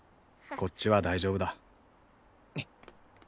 こっちは大丈夫だ。